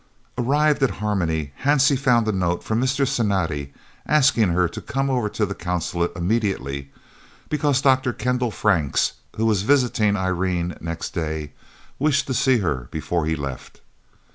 Arrived at Harmony, Hansie found a note from Mr. Cinatti asking her to come over to the Consulate immediately, because Dr. Kendal Franks, who was visiting Irene next day, wished to see her before he left.